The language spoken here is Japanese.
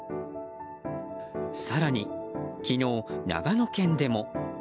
更に、昨日、長野県でも。